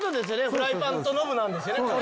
フライパンとノブなんですよねこれも。